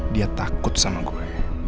dia takut sama gue